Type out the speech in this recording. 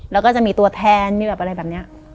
แล้วก็จะมีตัวแทนมีแบบอะไรแบบนี้